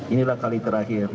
inilah kali terakhir